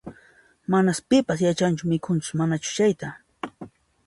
Manas pipis yachanchu mikhunchus manachus chayta